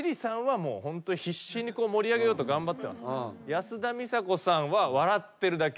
安田美沙子さんは笑ってるだけ。